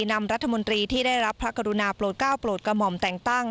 นำรัฐมนตรีที่ได้รับพระกรุณาโปรดก้าวโปรดกระหม่อมแต่งตั้ง